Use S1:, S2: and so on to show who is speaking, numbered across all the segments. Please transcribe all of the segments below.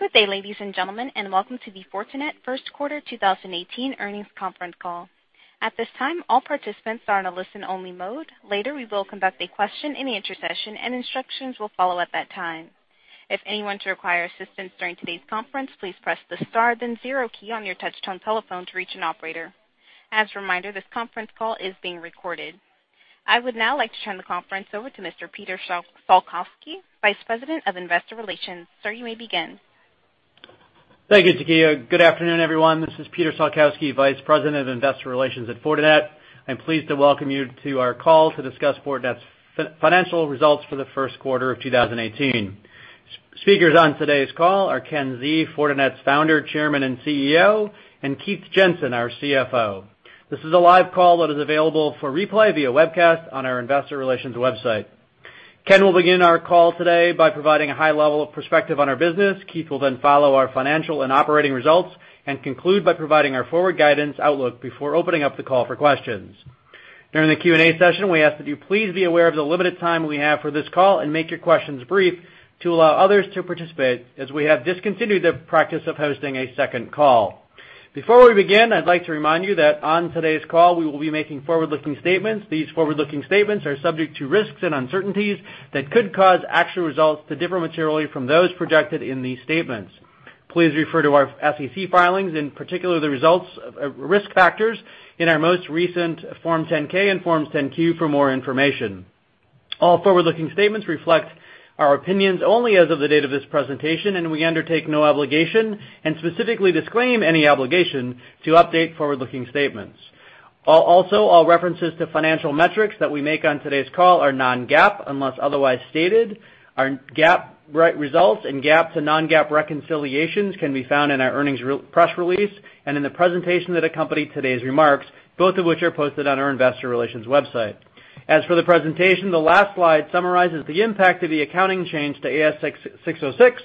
S1: Good day, ladies and gentlemen. Welcome to the Fortinet first quarter 2018 earnings conference call. At this time, all participants are in a listen-only mode. Later, we will conduct a question and answer session, and instructions will follow at that time. If anyone should require assistance during today's conference, please press the star then 0 key on your touch-tone telephone to reach an operator. As a reminder, this conference call is being recorded. I would now like to turn the conference over to Mr. Peter Salkowski, Vice President of Investor Relations. Sir, you may begin.
S2: Thank you, Takia. Good afternoon, everyone. This is Peter Salkowski, Vice President of Investor Relations at Fortinet. I'm pleased to welcome you to our call to discuss Fortinet's financial results for the first quarter of 2018. Speakers on today's call are Ken Xie, Fortinet's Founder, Chairman, and CEO, and Keith Jensen, our CFO. This is a live call that is available for replay via webcast on our investor relations website. Ken will begin our call today by providing a high level of perspective on our business. Keith will then follow our financial and operating results and conclude by providing our forward guidance outlook before opening up the call for questions. During the Q&A session, we ask that you please be aware of the limited time we have for this call and make your questions brief to allow others to participate, as we have discontinued the practice of hosting a second call. Before we begin, I'd like to remind you that on today's call, we will be making forward-looking statements. These forward-looking statements are subject to risks and uncertainties that could cause actual results to differ materially from those projected in these statements. Please refer to our SEC filings, in particular, the risk factors in our most recent Form 10-K and Forms 10-Q for more information. All forward-looking statements reflect our opinions only as of the date of this presentation, and we undertake no obligation, and specifically disclaim any obligation, to update forward-looking statements. Also, all references to financial metrics that we make on today's call are non-GAAP, unless otherwise stated. Our GAAP results and GAAP to non-GAAP reconciliations can be found in our earnings press release and in the presentation that accompany today's remarks, both of which are posted on our investor relations website. As for the presentation, the last slide summarizes the impact of the accounting change to ASC 606,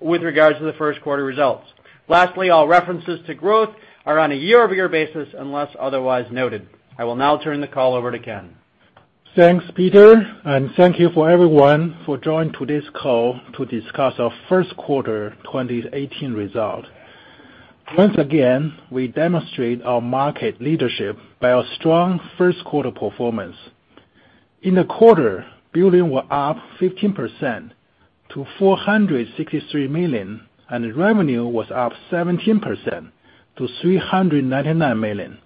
S2: with regards to the first quarter results. Lastly, all references to growth are on a year-over-year basis unless otherwise noted. I will now turn the call over to Ken.
S3: Thanks, Peter, and thank you for everyone for join to this call to discuss our first quarter 2018 result. Once again, we demonstrate our market leadership by our strong first quarter performance. In the quarter, billings were up 15% to $463 million, and revenue was up 17% to $399 million,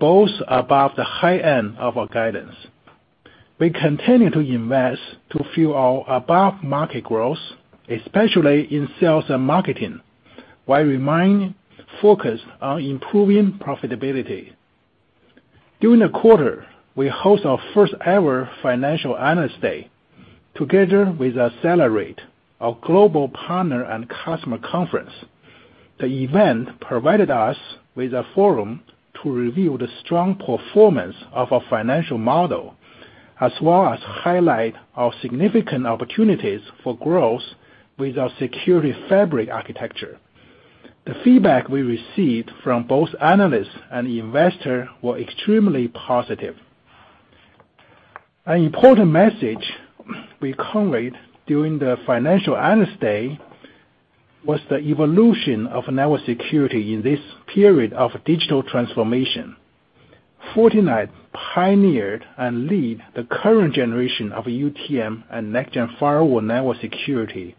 S3: both above the high end of our guidance. We continue to invest to fuel our above-market growth, especially in sales and marketing, while remaining focused on improving profitability. During the quarter, we host our first-ever financial analyst day together with Accelerate, our global partner and customer conference. The event provided us with a forum to review the strong performance of our financial model, as well as highlight our significant opportunities for growth with our Security Fabric architecture. The feedback we received from both analysts and investors were extremely positive. An important message we conveyed during the financial analyst day was the evolution of network security in this period of digital transformation. Fortinet pioneered and lead the current generation of UTM and next-gen firewall network security,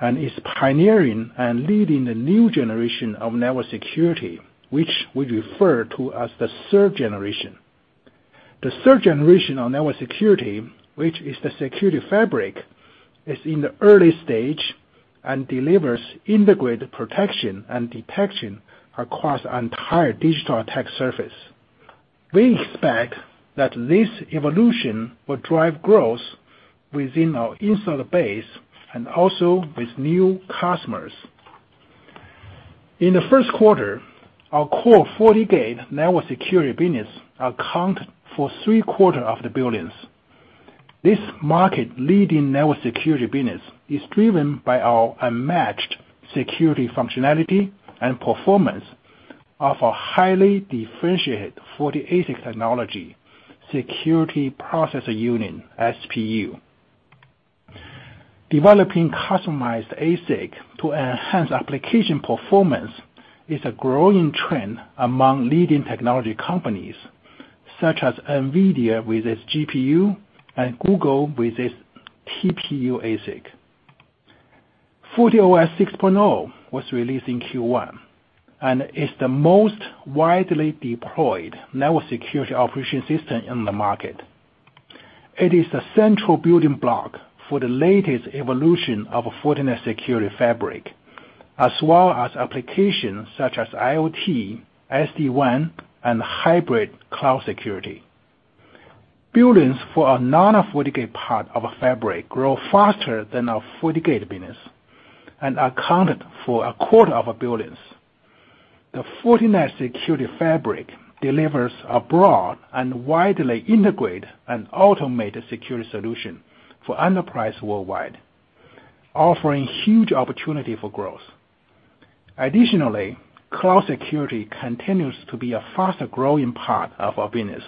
S3: and is pioneering and leading the new generation of network security, which we refer to as the third generation. The third generation of network security, which is the Security Fabric, is in the early stage and delivers integrated protection and detection across entire digital attack surface. We expect that this evolution will drive growth within our installed base and also with new customers. In the first quarter, our core FortiGate network security business account for three-quarters of the billings. This market-leading network security business is driven by our unmatched security functionality and performance of a highly differentiated FortiASIC technology security processor unit (SPU). Developing customized ASIC to enhance application performance is a growing trend among leading technology companies, such as Nvidia with its GPU and Google with its TPU ASIC. FortiOS 6.0 was released in Q1 and is the most widely deployed network security operating system in the market. It is the central building block for the latest evolution of Fortinet Security Fabric, as well as applications such as IoT, SD-WAN, and hybrid cloud security. Billings for our non-FortiGate part of Fabric grow faster than our FortiGate business and accounted for a quarter of our billings. The Fortinet Security Fabric delivers a broad and widely integrated and automated security solution for enterprise worldwide, offering huge opportunity for growth. Additionally, cloud security continues to be a faster-growing part of our business.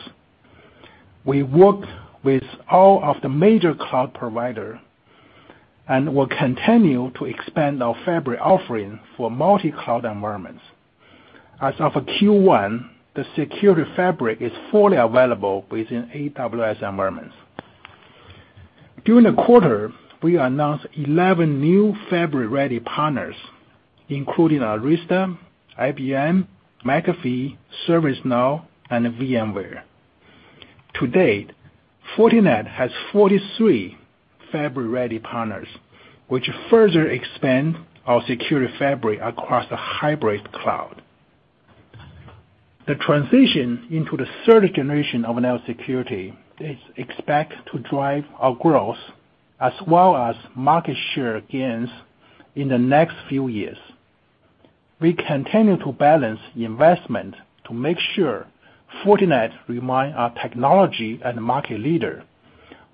S3: We work with all of the major cloud providers and will continue to expand our Fabric offering for multi-cloud environments. As of Q1, the Security Fabric is fully available within AWS environments. During the quarter, we announced 11 new Fabric-Ready partners, including Arista, IBM, McAfee, ServiceNow, and VMware. To date, Fortinet has 43 Fabric-Ready partners, which further expand our Security Fabric across the hybrid cloud. The transition into the third generation of network security is expected to drive our growth as well as market share gains in the next few years. We continue to balance investment to make sure Fortinet remain a technology and market leader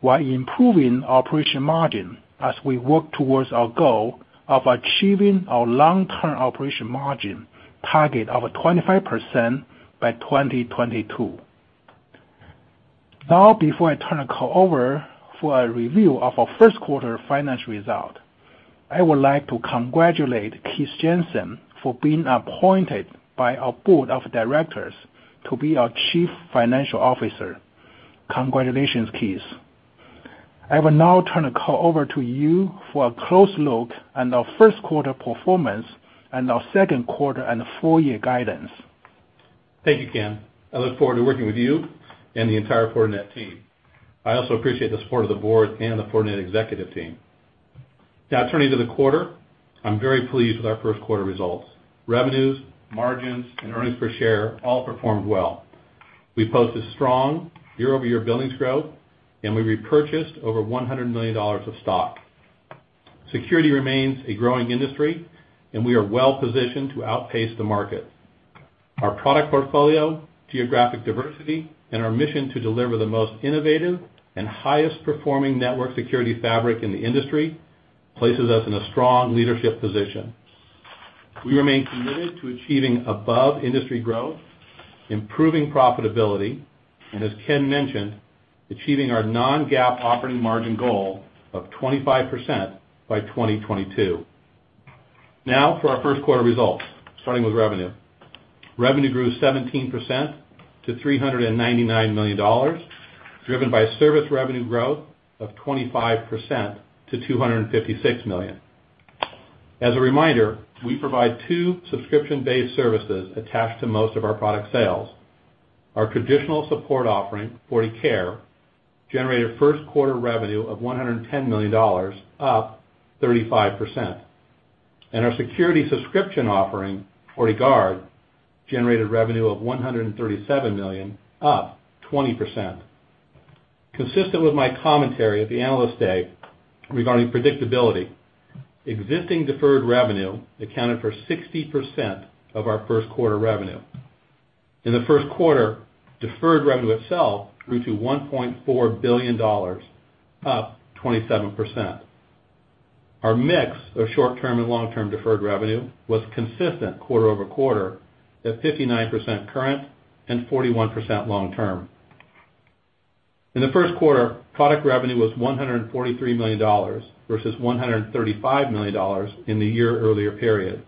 S3: while improving operating margin as we work towards our goal of achieving our long-term operating margin target of 25% by 2022. Now, before I turn the call over for a review of our first quarter financial result, I would like to congratulate Keith Jensen for being appointed by our board of directors to be our Chief Financial Officer. Congratulations, Keith. I will now turn the call over to you for a close look at our first quarter performance and our second quarter and full-year guidance.
S4: Thank you, Ken. I look forward to working with you and the entire Fortinet team. I also appreciate the support of the board and the Fortinet executive team. Turning to the quarter, I'm very pleased with our first quarter results. Revenues, margins, and earnings per share all performed well. We posted strong year-over-year billings growth, and we repurchased over $100 million of stock. Security remains a growing industry, and we are well positioned to outpace the market. Our product portfolio, geographic diversity, and our mission to deliver the most innovative and highest performing network security fabric in the industry places us in a strong leadership position. We remain committed to achieving above-industry growth, improving profitability, and as Ken mentioned, achieving our non-GAAP operating margin goal of 25% by 2022. For our first quarter results, starting with revenue. Revenue grew 17% to $399 million, driven by service revenue growth of 25% to $256 million. As a reminder, we provide two subscription-based services attached to most of our product sales. Our traditional support offering, FortiCare, generated first quarter revenue of $110 million, up 35%. Our security subscription offering, FortiGuard, generated revenue of $137 million, up 20%. Consistent with my commentary at the Analyst Day regarding predictability, existing deferred revenue accounted for 60% of our first quarter revenue. In the first quarter, deferred revenue itself grew to $1.4 billion, up 27%. Our mix of short-term and long-term deferred revenue was consistent quarter-over-quarter at 59% current and 41% long-term. In the first quarter, product revenue was $143 million versus $135 million in the year-earlier period.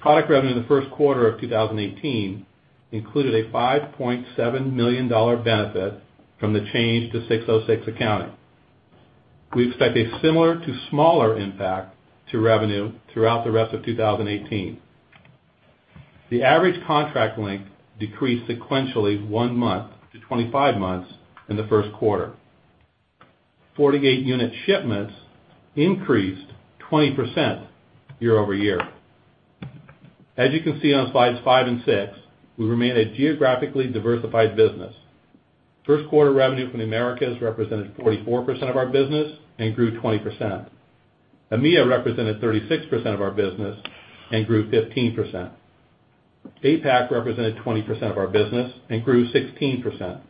S4: Product revenue in the first quarter of 2018 included a $5.7 million benefit from the change to 606 accounting. We expect a similar to smaller impact to revenue throughout the rest of 2018. The average contract length decreased sequentially one month to 25 months in the first quarter. FortiGate unit shipments increased 20% year-over-year. As you can see on slides five and six, we remain a geographically diversified business. First quarter revenue from Americas represented 44% of our business and grew 20%. EMEA represented 36% of our business and grew 15%. APAC represented 20% of our business and grew 16%.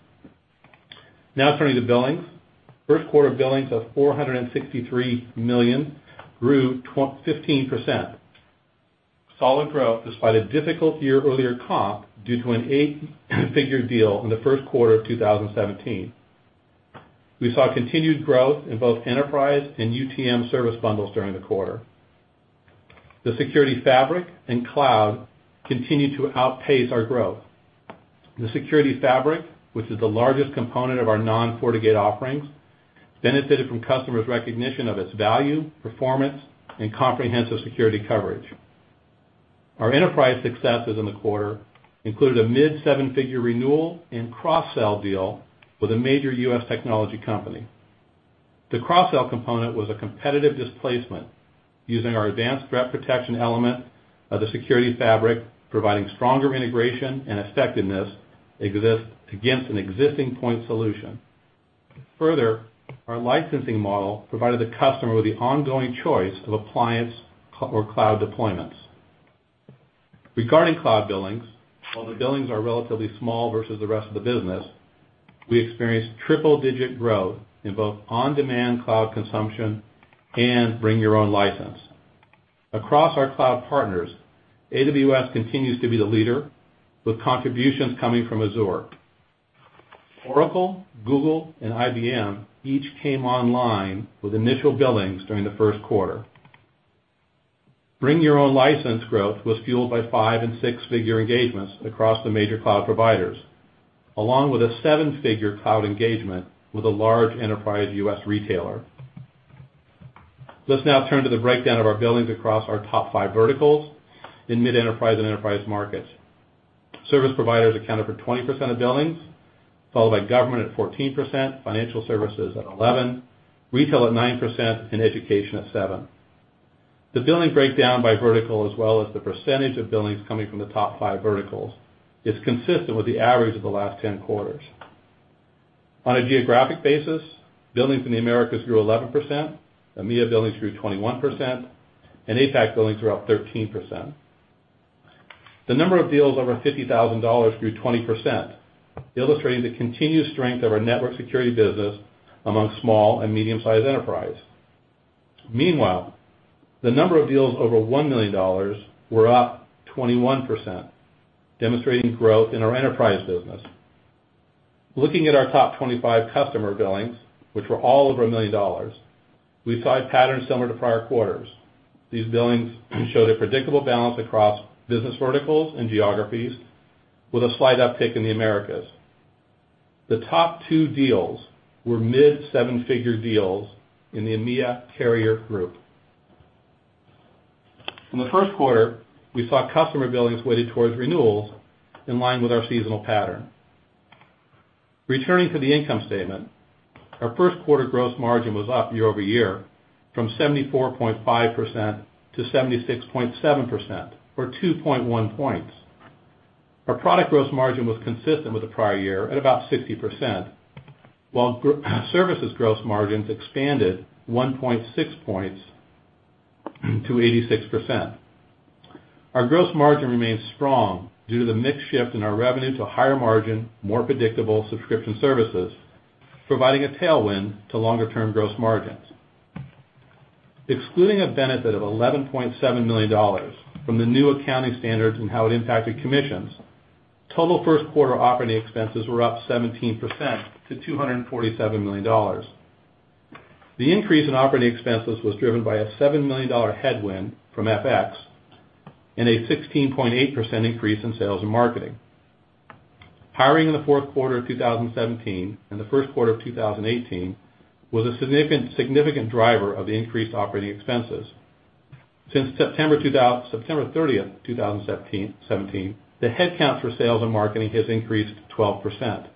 S4: Turning to billings. First quarter billings of $463 million grew 15%. Solid growth despite a difficult year-earlier comp due to an eight-figure deal in the first quarter of 2017. We saw continued growth in both enterprise and UTM service bundles during the quarter. The Security Fabric and cloud continued to outpace our growth. The Security Fabric, which is the largest component of our non-FortiGate offerings, benefited from customers' recognition of its value, performance, and comprehensive security coverage. Our enterprise successes in the quarter included a mid-seven-figure renewal and cross-sell deal with a major U.S. technology company. The cross-sell component was a competitive displacement using our advanced threat protection element of the Security Fabric, providing stronger integration and effectiveness against an existing point solution. Further, our licensing model provided the customer with the ongoing choice of appliance or cloud deployments. Regarding cloud billings, while the billings are relatively small versus the rest of the business, we experienced triple-digit growth in both on-demand cloud consumption and bring your own license. Across our cloud partners, AWS continues to be the leader, with contributions coming from Azure. Oracle, Google, and IBM each came online with initial billings during the first quarter. Bring Your Own License growth was fueled by five and six-figure engagements across the major cloud providers, along with a seven-figure cloud engagement with a large enterprise U.S. retailer. Let's now turn to the breakdown of our billings across our top five verticals in mid-enterprise and enterprise markets. Service providers accounted for 20% of billings, followed by government at 14%, financial services at 11%, retail at 9%, and education at 7%. The billing breakdown by vertical, as well as the percentage of billings coming from the top five verticals, is consistent with the average of the last 10 quarters. On a geographic basis, billings in the Americas grew 11%, EMEA billings grew 21%, and APAC billings were up 13%. The number of deals over $50,000 grew 20%, illustrating the continued strength of our network security business among small and medium-sized enterprise. The number of deals over $1 million were up 21%, demonstrating growth in our enterprise business. Looking at our top 25 customer billings, which were all over $1 million, we saw a pattern similar to prior quarters. These billings showed a predictable balance across business verticals and geographies with a slight uptick in the Americas. The top two deals were mid seven-figure deals in the EMEA carrier group. In the first quarter, we saw customer billings weighted towards renewals in line with our seasonal pattern. Returning to the income statement, our first quarter gross margin was up year-over-year from 74.5% to 76.7%, or 2.1 points. Our product gross margin was consistent with the prior year at about 60%, while services gross margins expanded 1.6 points to 86%. Our gross margin remains strong due to the mix shift in our revenue to higher margin, more predictable subscription services, providing a tailwind to longer-term gross margins. Excluding a benefit of $11.7 million from the new accounting standards and how it impacted commissions, total first quarter operating expenses were up 17% to $247 million. The increase in operating expenses was driven by a $7 million headwind from FX and a 16.8% increase in sales and marketing. Hiring in the fourth quarter of 2017 and the first quarter of 2018 was a significant driver of the increased operating expenses. Since September 30th, 2017, the headcount for sales and marketing has increased 12%.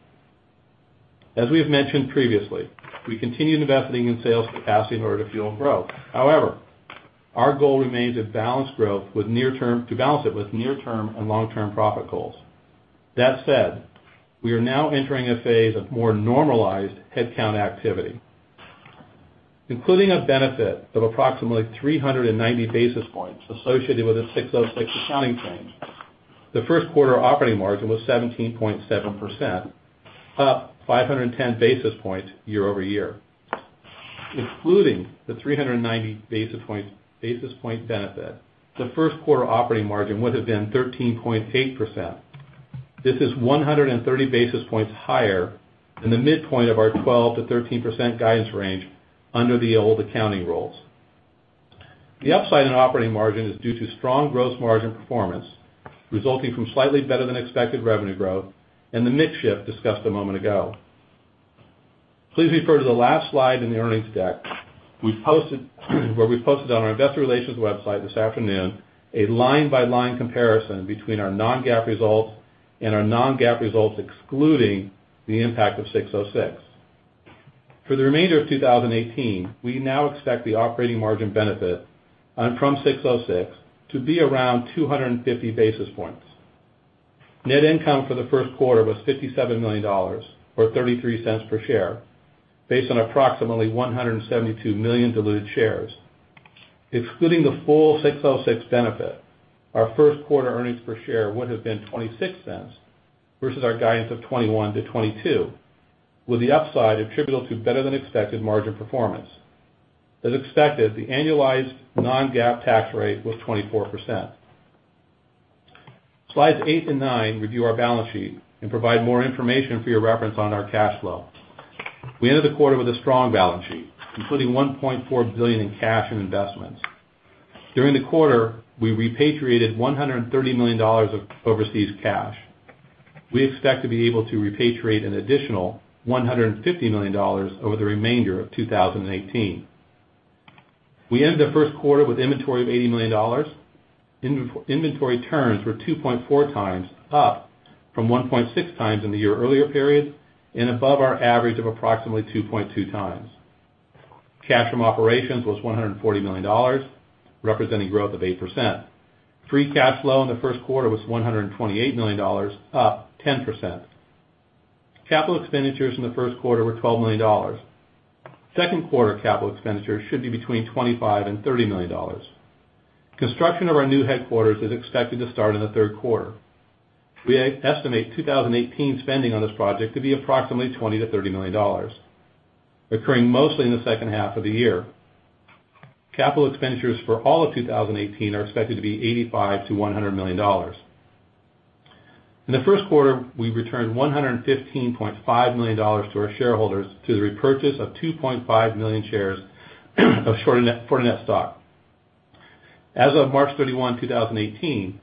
S4: We continue investing in sales capacity in order to fuel growth. Our goal remains to balance it with near-term and long-term profit goals. That said, we are now entering a phase of more normalized headcount activity. Including a benefit of approximately 390 basis points associated with a 606 accounting change, the first quarter operating margin was 17.7%, up 510 basis points year-over-year. Excluding the 390 basis point benefit, the first quarter operating margin would have been 13.8%. This is 130 basis points higher than the midpoint of our 12%-13% guidance range under the old accounting rules. The upside in operating margin is due to strong gross margin performance, resulting from slightly better than expected revenue growth and the mix shift discussed a moment ago. Please refer to the last slide in the earnings deck, where we posted on our investor relations website this afternoon a line-by-line comparison between our non-GAAP results and our non-GAAP results excluding the impact of 606. For the remainder of 2018, we now expect the operating margin benefit from 606 to be around 250 basis points. Net income for the first quarter was $57 million, or $0.33 per share, based on approximately 172 million diluted shares. Excluding the full 606 benefit, our first quarter earnings per share would have been $0.26 versus our guidance of $0.21-$0.22, with the upside attributable to better than expected margin performance. As expected, the annualized non-GAAP tax rate was 24%. Slides eight and nine review our balance sheet and provide more information for your reference on our cash flow. We ended the quarter with a strong balance sheet, including $1.4 billion in cash and investments. During the quarter, we repatriated $130 million of overseas cash. We expect to be able to repatriate an additional $150 million over the remainder of 2018. We ended the first quarter with inventory of $80 million. Inventory turns were 2.4 times, up from 1.6 times in the year earlier period and above our average of approximately 2.2 times. Cash from operations was $140 million, representing growth of 8%. Free cash flow in the first quarter was $128 million, up 10%. Capital expenditures in the first quarter were $12 million. Second quarter capital expenditures should be between $25 million-$30 million. Construction of our new headquarters is expected to start in the third quarter. We estimate 2018 spending on this project to be approximately $20 million-$30 million. Occurring mostly in the second half of the year. Capital expenditures for all of 2018 are expected to be $85 million-$100 million. In the first quarter, we returned $115.5 million to our shareholders through the repurchase of 2.5 million shares of Fortinet stock. As of March 31, 2018,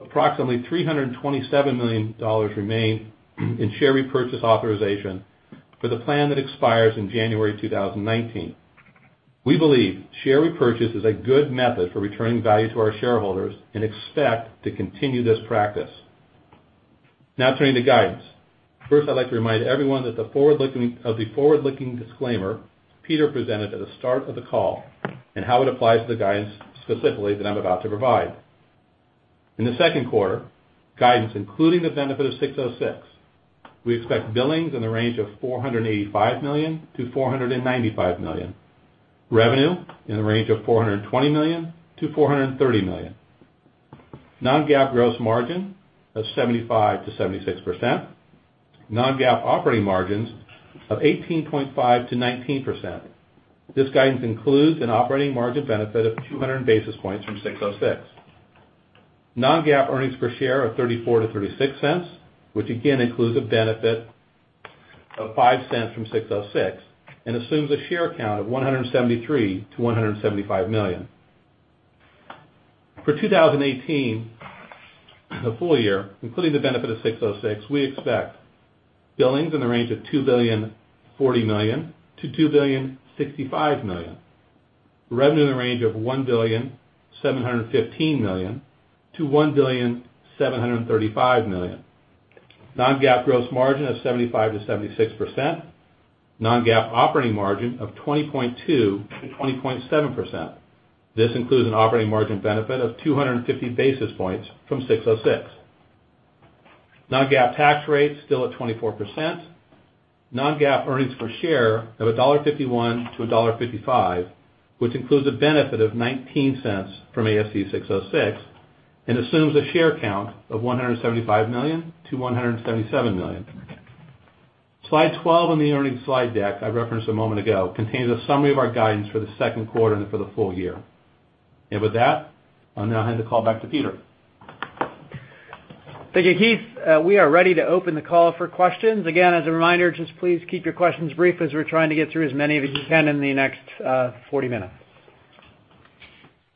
S4: approximately $327 million remain in share repurchase authorization for the plan that expires in January 2019. We believe share repurchase is a good method for returning value to our shareholders and expect to continue this practice. Now turning to guidance. First, I'd like to remind everyone of the forward-looking disclaimer Peter presented at the start of the call and how it applies to the guidance specifically that I'm about to provide. In the second quarter, guidance including the benefit of 606, we expect billings in the range of $485 million-$495 million. Revenue in the range of $420 million-$430 million. Non-GAAP gross margin of 75%-76%. Non-GAAP operating margins of 18.5%-19%. This guidance includes an operating margin benefit of 200 basis points from 606. Non-GAAP earnings per share of $0.34-$0.36, which again includes a benefit of $0.05 from ASC 606 and assumes a share count of 173 million-175 million. For 2018, the full year, including the benefit of ASC 606, we expect billings in the range of $2.04 billion-$2.065 billion. Revenue in the range of $1.715 billion-$1.735 billion. Non-GAAP gross margin of 75%-76%. Non-GAAP operating margin of 20.2%-20.7%. This includes an operating margin benefit of 250 basis points from ASC 606. Non-GAAP tax rate still at 24%. Non-GAAP earnings per share of $1.51-$1.55, which includes a benefit of $0.19 from ASC 606 and assumes a share count of 175 million-177 million. Slide 12 on the earnings slide deck I referenced a moment ago contains a summary of our guidance for the second quarter and for the full year. With that, I'll now hand the call back to Peter.
S2: Thank you, Keith. We are ready to open the call for questions. Again, as a reminder, just please keep your questions brief as we're trying to get through as many of as we can in the next 40 minutes.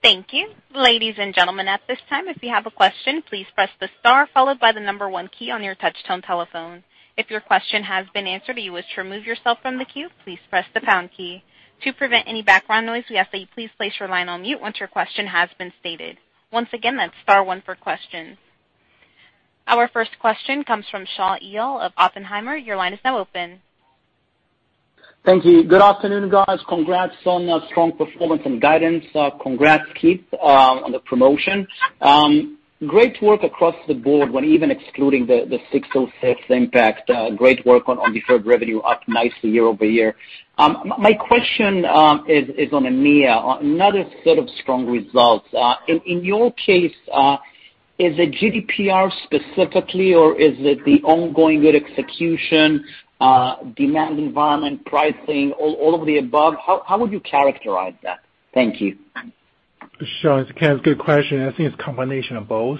S1: Thank you. Ladies and gentlemen, at this time, if you have a question, please press the star followed by the number 1 key on your touch tone telephone. If your question has been answered or you wish to remove yourself from the queue, please press the pound key. To prevent any background noise, we ask that you please place your line on mute once your question has been stated. Once again, that's star 1 for questions. Our first question comes from Shaul Eyal of Oppenheimer. Your line is now open.
S5: Thank you. Good afternoon, guys. Congrats on a strong performance and guidance. Congrats, Keith, on the promotion. Great work across the board when even excluding the ASC 606 impact. Great work on deferred revenue, up nicely year-over-year. My question is on EMEA. Another set of strong results. In your case, is it GDPR specifically or is it the ongoing good execution, demand environment, pricing, all of the above? How would you characterize that? Thank you.
S3: Shaul, it's Ken. Good question. I think it's a combination of both.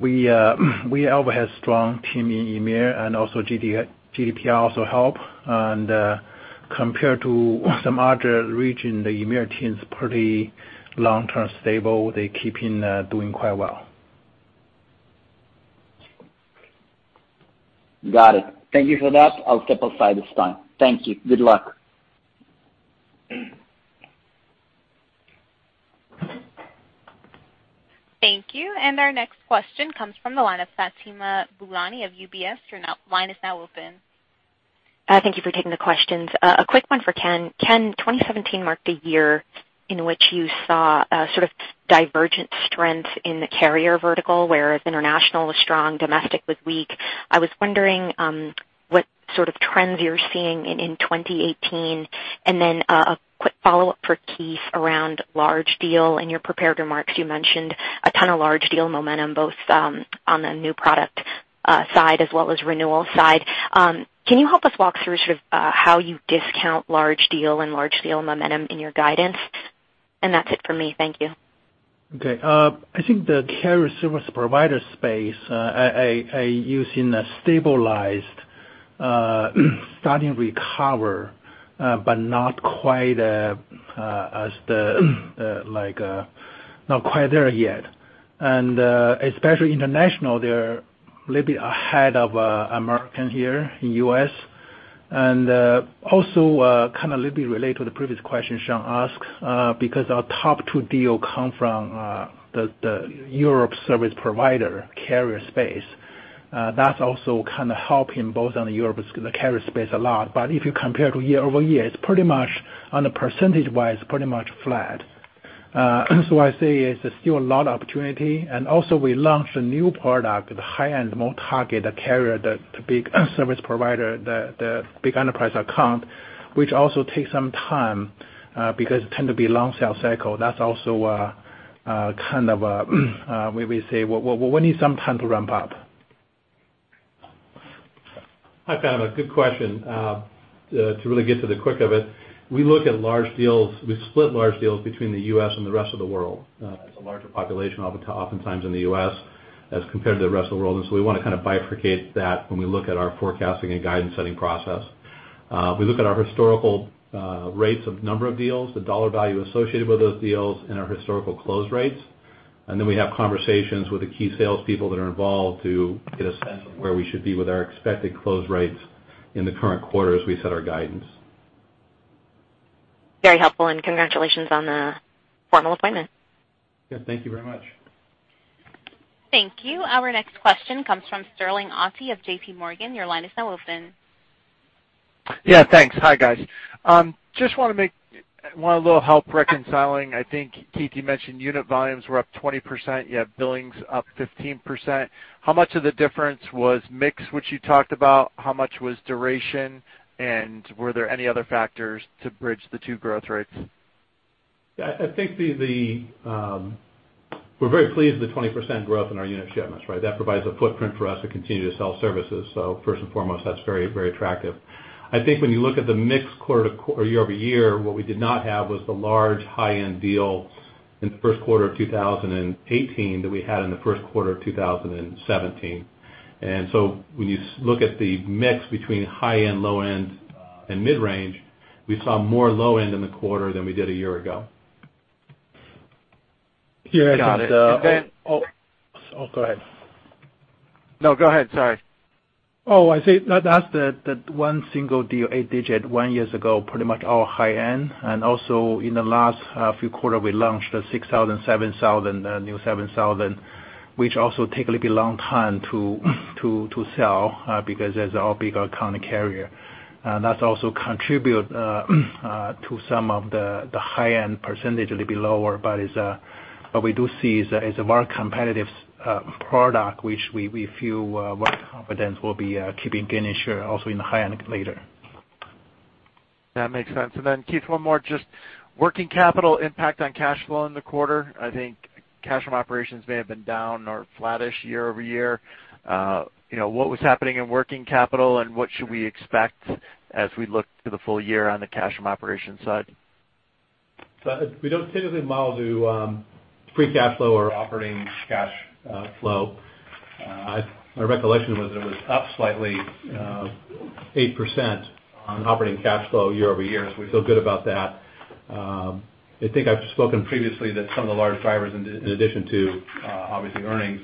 S3: We always have strong team in EMEA and also GDPR also help. Compared to some other region, the EMEA team's pretty long-term stable. They keeping doing quite well.
S5: Got it. Thank you for that. I'll step aside this time. Thank you. Good luck.
S1: Thank you. Our next question comes from the line of Fatima Boolani of UBS. Your line is now open.
S6: Thank you for taking the questions. A quick one for Ken. Ken, 2017 marked a year in which you saw a sort of divergent strength in the carrier vertical, where if international was strong, domestic was weak. I was wondering what sort of trends you're seeing in 2018, then a quick follow-up for Keith around large deal. In your prepared remarks, you mentioned a ton of large deal momentum both on the new product side as well as renewal side. Can you help us walk through sort of how you discount large deal and large deal momentum in your guidance? That's it for me. Thank you.
S3: I think the carrier service provider space, I use in a stabilized, starting recover, but not quite there yet. Especially international, they're a little bit ahead of American here in U.S. Also, kind of a little bit related to the previous question Shaul asked, because our top two deal come from the Europe service provider carrier space, that's also helping both on the Europe carrier space a lot. If you compare to year-over-year, it's pretty much, on a percentage-wise, pretty much flat. I say it's still a lot of opportunity, also we launched a new product, the high-end, more targeted carrier, the big service provider, the big enterprise account, which also takes some time, because it tend to be long sales cycle. That's also, we say, we need some time to ramp up
S4: Hi, Pamela. Good question. To really get to the quick of it, we look at large deals. We split large deals between the U.S. and the rest of the world. It's a larger population oftentimes in the U.S. as compared to the rest of the world, we want to bifurcate that when we look at our forecasting and guidance setting process. We look at our historical rates of number of deals, the dollar value associated with those deals, and our historical close rates. We have conversations with the key salespeople that are involved to get a sense of where we should be with our expected close rates in the current quarter as we set our guidance.
S6: Very helpful, congratulations on the formal appointment.
S4: Yeah, thank you very much.
S1: Thank you. Our next question comes from Sterling Auty of JPMorgan. Your line is now open.
S7: Yeah, thanks. Hi, guys. Just want a little help reconciling, I think, Keith, you mentioned unit volumes were up 20%, you have billings up 15%. How much of the difference was mix, which you talked about? How much was duration? Were there any other factors to bridge the two growth rates?
S4: Yeah, we're very pleased with the 20% growth in our unit shipments, right? That provides a footprint for us to continue to sell services. First and foremost, that's very attractive. I think when you look at the mix year-over-year, what we did not have was the large high-end deal in the first quarter of 2018 that we had in the first quarter of 2017. When you look at the mix between high end, low end, and mid-range, we saw more low end in the quarter than we did a year ago.
S7: Got it.
S3: Yeah, go ahead.
S7: No, go ahead. Sorry.
S3: Oh, I say that's the one single deal, eight-digit, one years ago, pretty much all high end. Also in the last few quarter, we launched the 6,000, 7,000, the new 7,000, which also take a little bit long time to sell, because that's our bigger account carrier. That also contribute to some of the high-end percentage a little bit lower. We do see is a more competitive product, which we feel a lot of confidence will be keeping gaining share also in the high end later.
S7: That makes sense. Keith, one more, just working capital impact on cash flow in the quarter. I think cash from operations may have been down or flattish year-over-year. What was happening in working capital, and what should we expect as we look to the full year on the cash from operations side?
S4: We don't typically model to free cash flow or operating cash flow. My recollection was that it was up slightly, 8% on operating cash flow year-over-year. We feel good about that. I think I've spoken previously that some of the large drivers, in addition to obviously earnings,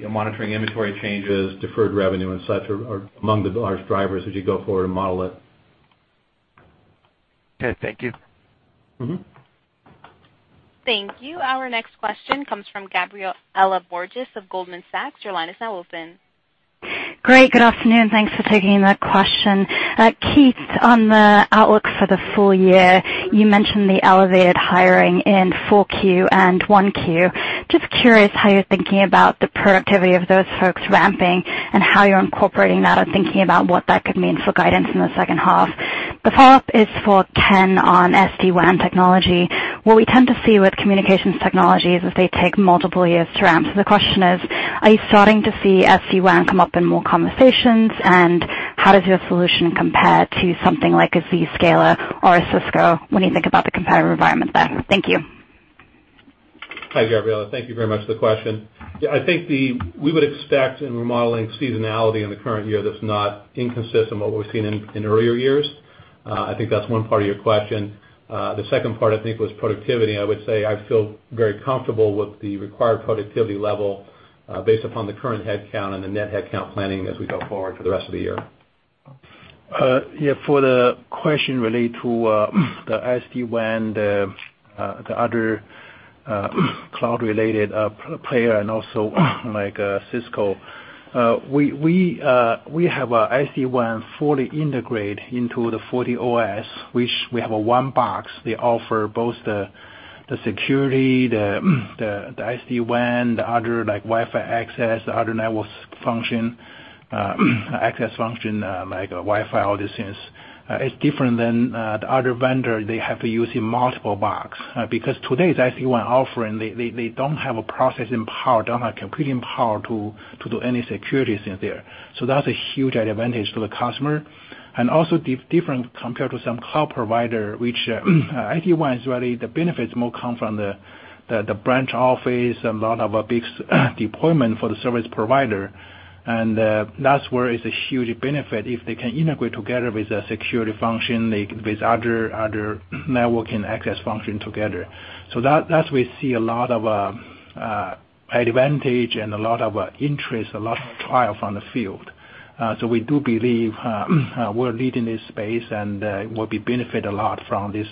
S4: monitoring inventory changes, deferred revenue, and such, are among the large drivers as you go forward and model it.
S7: Okay, thank you.
S1: Thank you. Our next question comes from Gabriela Borges of Goldman Sachs. Your line is now open.
S8: Great. Good afternoon. Thanks for taking that question. Keith, on the outlook for the full year, you mentioned the elevated hiring in Q4 and Q1. Just curious how you're thinking about the productivity of those folks ramping and how you're incorporating that or thinking about what that could mean for guidance in the second half. The follow-up is for Ken on SD-WAN technology. What we tend to see with communications technology is that they take multiple years to ramp. The question is, are you starting to see SD-WAN come up in more conversations, and how does your solution compare to something like a Zscaler or a Cisco when you think about the competitive environment there? Thank you.
S4: Hi, Gabriela. Thank you very much for the question. I think we would expect in remodeling seasonality in the current year that's not inconsistent with what we've seen in earlier years. I think that's one part of your question. The second part, I think, was productivity. I would say I feel very comfortable with the required productivity level, based upon the current headcount and the net headcount planning as we go forward for the rest of the year.
S3: For the question related to the SD-WAN, the other cloud-related player, and also like Cisco, we have SD-WAN fully integrated into the FortiOS, which we have a one box. They offer both the security, the SD-WAN, the other like Wi-Fi access, the other networks function, access function, like Wi-Fi, all these things. It's different than the other vendor. They have to use a multiple box. Today's SD-WAN offering, they don't have a processing power, don't have computing power to do any security thing there. That's a huge advantage to the customer. Also different compared to some cloud provider, which SD-WAN is really the benefits more come from the branch office, a lot of a big deployment for the service provider. That's where it's a huge benefit if they can integrate together with the security function, with other networking access function together. That we see a lot of advantage and a lot of interest, a lot of trial from the field. We do believe we're leading this space, and we'll be benefit a lot from this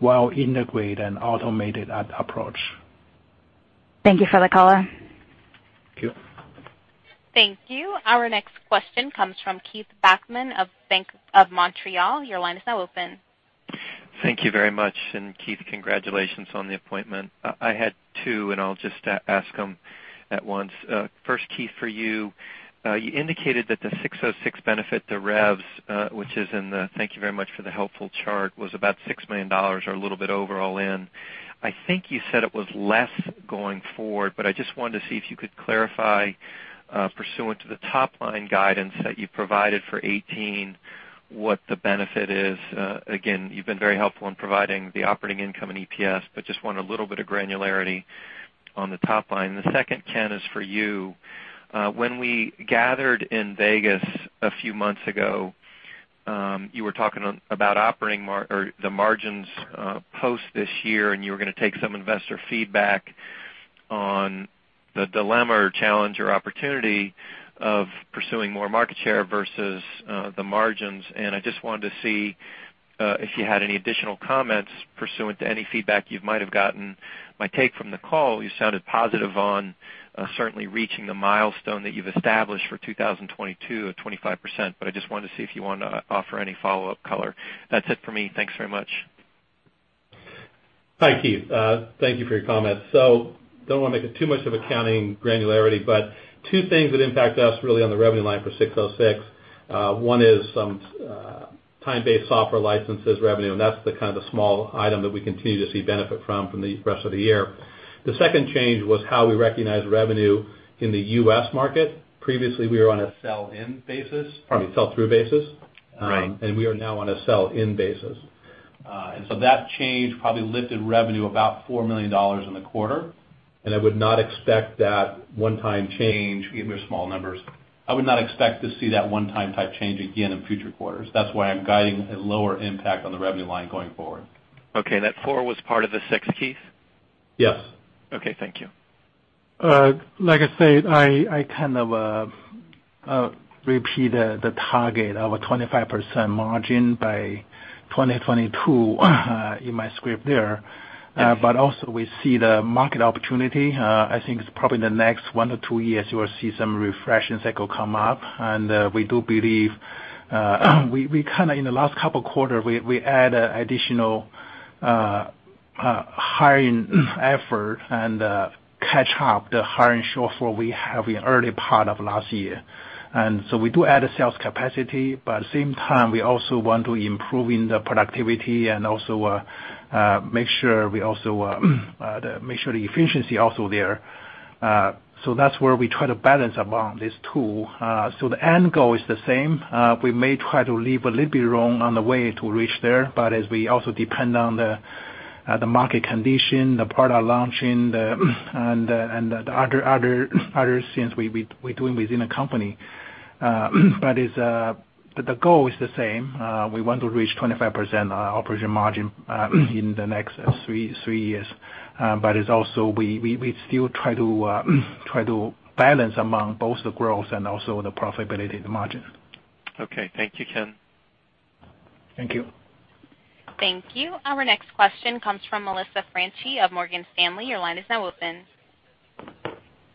S3: well-integrated and automated approach.
S8: Thank you for the color.
S3: Thank you.
S1: Thank you. Our next question comes from Keith Bachman of Bank of Montreal. Your line is now open.
S9: Thank you very much. Keith, congratulations on the appointment. I had two, and I'll just ask them at once. First, Keith, for you indicated that the 606 benefit, the revs, which is thank you very much for the helpful chart, was about $6 million or a little bit over all in. I think you said it was less going forward, but I just wanted to see if you could clarify, pursuant to the top-line guidance that you provided for 2018, what the benefit is. Again, you've been very helpful in providing the operating income and EPS, but just want a little bit of granularity on the top line. The second, Ken, is for you. When we gathered in Vegas a few months ago, you were talking about the margins post this year, and you were going to take some investor feedback on the dilemma or challenge or opportunity of pursuing more market share versus the margins. I just wanted to see if you had any additional comments pursuant to any feedback you might have gotten. My take from the call, you sounded positive on certainly reaching the milestone that you've established for 2022 of 25%. I just wanted to see if you want to offer any follow-up color. That's it for me. Thanks very much.
S4: Hi, Keith. Thank you for your comments. Don't want to make it too much of accounting granularity. Two things that impact us really on the revenue line for ASC 606. One is some time-based software licenses revenue. That's the small item that we continue to see benefit from the rest of the year. The second change was how we recognize revenue in the U.S. market. Previously, we were on a sell-through basis.
S9: Right.
S4: We are now on a sell-in basis. That change probably lifted revenue about $4 million in the quarter. I would not expect that one-time change, even with small numbers, I would not expect to see that one-time type change again in future quarters. That's why I'm guiding a lower impact on the revenue line going forward.
S9: Okay. That $4 was part of the $6, Keith?
S4: Yes.
S9: Okay. Thank you.
S3: Like I said, I kind of repeated the target of a 25% margin by 2022 in my script there. Also we see the market opportunity. I think it's probably in the next one to two years, you will see some refreshes that will come up. We do believe, we in the last couple of quarters, we add additional hiring effort and catch up the hiring shortfall we have in early part of last year. We do add a sales capacity, but at the same time, we also want to improve in the productivity and also make sure the efficiency also there. That's where we try to balance among these two. The end goal is the same. We may try to leave a little bit wrong on the way to reach there, as we also depend on the market condition, the product launching, and the other things we're doing within the company. The goal is the same. We want to reach 25% operation margin in the next three years. It's also we still try to balance among both the growth and also the profitability margin.
S9: Okay. Thank you, Ken.
S3: Thank you.
S1: Thank you. Our next question comes from Melissa Franchi of Morgan Stanley. Your line is now open.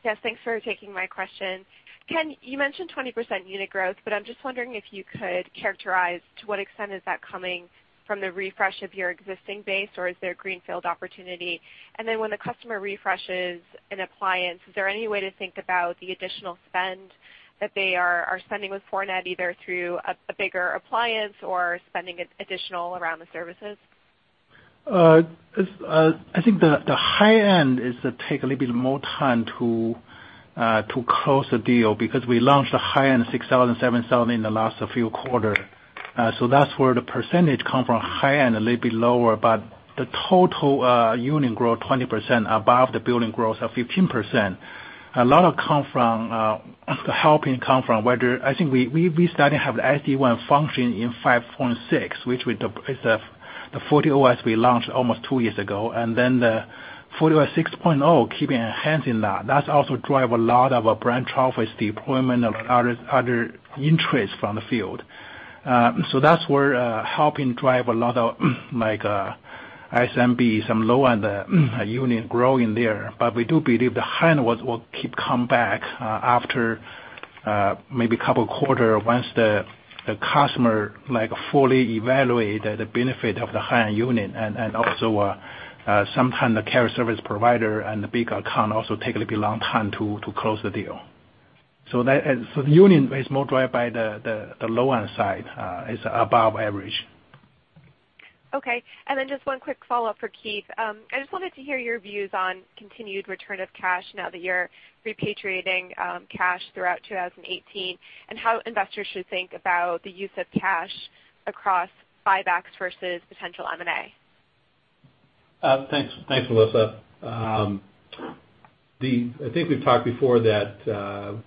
S10: Yes, thanks for taking my question. Ken, you mentioned 20% unit growth, I'm just wondering if you could characterize to what extent is that coming from the refresh of your existing base, or is there greenfield opportunity? When the customer refreshes an appliance, is there any way to think about the additional spend that they are spending with Fortinet, either through a bigger appliance or spending additional around the services?
S3: I think the high-end take a little bit more time to close the deal because we launched the high-end 6000, 7000 in the last few quarters. That's where the percentage come from high end a little bit lower, but the total unit growth 20% above the building growth of 15%. A lot helping come from whether I think we starting to have SD-WAN function in 5.6, which is the FortiOS we launched almost two years ago, the FortiOS 6.0 keeping enhancing that. That also drive a lot of our branch office deployment and other interest from the field. That's where helping drive a lot of SMB, some low-end unit growing there. We do believe the high end will keep coming back after maybe a couple of quarters once the customer fully evaluate the benefit of the high-end unit. Also sometimes the carrier service provider and the big account also take a little bit long time to close the deal. The unit is more driven by the low-end side. It's above average.
S10: Okay. Just one quick follow-up for Keith. I just wanted to hear your views on continued return of cash now that you're repatriating cash throughout 2018, and how investors should think about the use of cash across buybacks versus potential M&A.
S4: Thanks, Melissa. I think we've talked before that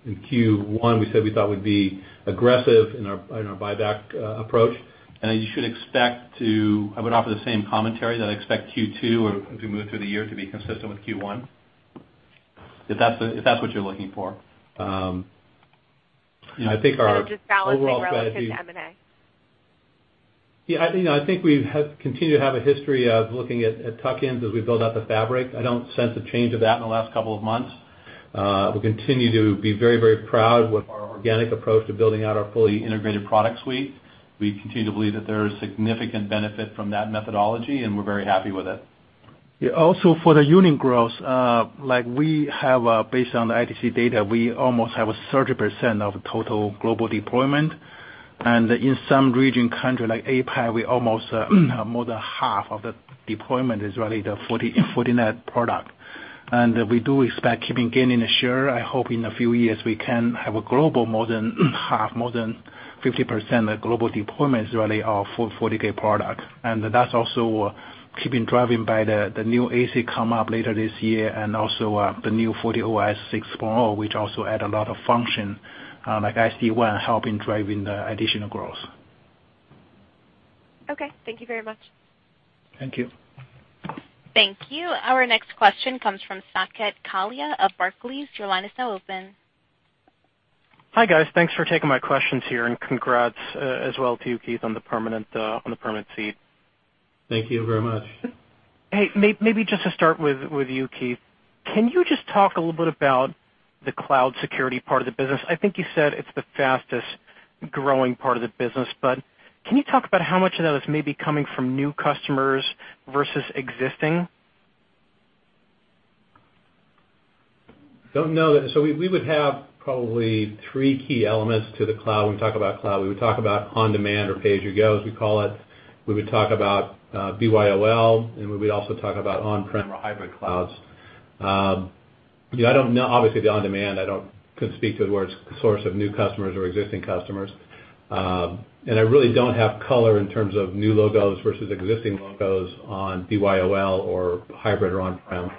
S4: in Q1, we said we thought we'd be aggressive in our buyback approach. I think you should expect. I would offer the same commentary that I expect Q2 or as we move through the year to be consistent with Q1, if that's what you're looking for. I think our overall strategy.
S10: Just balancing relative to M&A.
S4: I think we've continued to have a history of looking at tuck-ins as we build out the fabric. I don't sense a change of that in the last couple of months. We continue to be very proud with our organic approach to building out our fully integrated product suite. We continue to believe that there is significant benefit from that methodology, and we're very happy with it.
S3: Also for the unit growth, like we have based on the ITC data, we almost have a 30% of total global deployment. In some region country like APAC, we almost have more than half of the deployment is really the Fortinet product. We do expect keeping gaining a share. I hope in a few years we can have a global more than half, more than 50% of global deployments really are for FortiGate product. That's also keeping driving by the new ASIC come up later this year and also the new FortiOS 6.0, which also add a lot of function, like SD-WAN helping driving the additional growth.
S10: Okay, thank you very much.
S3: Thank you.
S1: Thank you. Our next question comes from Saket Kalia of Barclays. Your line is now open.
S11: Hi, guys. Thanks for taking my questions here, and congrats as well to you, Keith, on the permanent seat.
S4: Thank you very much.
S11: Hey, maybe just to start with you, Keith. Can you just talk a little bit about the cloud security part of the business? I think you said it's the fastest-growing part of the business, but can you talk about how much of that is maybe coming from new customers versus existing?
S4: Don't know. We would have probably three key elements to the cloud. When we talk about cloud, we would talk about on-demand or pay-as-you-go, as we call it. We would talk about BYOL, and we would also talk about on-prem or hybrid clouds. Obviously, the on-demand, I couldn't speak to where it's source of new customers or existing customers. I really don't have color in terms of new logos versus existing logos on BYOL or hybrid or on-prem.